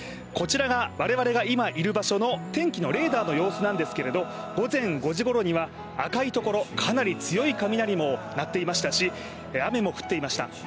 こちらが我々が今いる場所の天気のレーダーの様子なんですが、午前５時ごろには赤いところかなり強い雷も鳴っていましたし雨も降っていました。